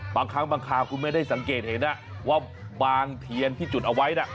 บางครั้งบางคราวคุณไม่ได้สังเกตเห็นว่าบางเทียนที่จุดเอาไว้น่ะ